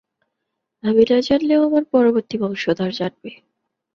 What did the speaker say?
আমি না জানলেও আমার পরবর্তী বংশধর জানবে।